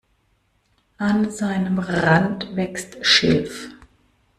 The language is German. An seinem Rand wächst Schilf.